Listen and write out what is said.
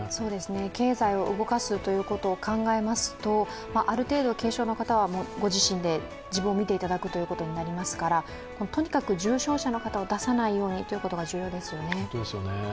経済を動かすということを考えますとある程度軽症の方は御自身で自分を見ていただくことになりますからとにかく重症者の方を出さないようにということが重要ですよね。